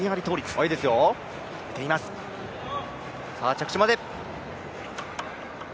着地まで。